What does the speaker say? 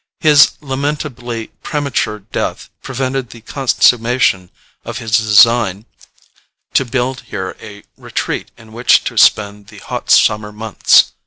His lamentably premature death prevented the consummation of his design to build here a retreat in which to spend the hot summer months.